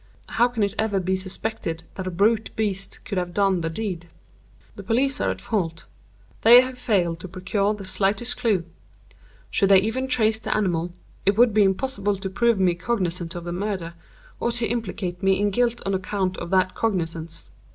How can it ever be suspected that a brute beast should have done the deed? The police are at fault—they have failed to procure the slightest clew. Should they even trace the animal, it would be impossible to prove me cognizant of the murder, or to implicate me in guilt on account of that cognizance.